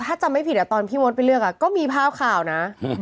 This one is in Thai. ถ้าจำไม่ผิดตอนพี่มดไปเลือกก็มีภาพข่าวนะ